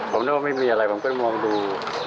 ผมนึกว่าไม่มีอะไรผมก็มองดู